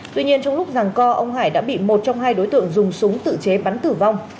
tuy nhiên trong lúc rằng co ông hải đã bị một trong hai đối tượng dùng súng tự chế bắn tử vong